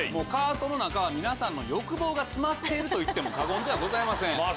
カートの中は皆さんの欲望が詰まっていると言っても過言ではございません。